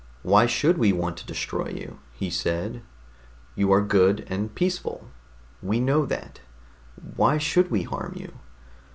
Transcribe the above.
"Why should we want to destroy you?" he said. "You are good, and peaceful. We know that; why should we harm you?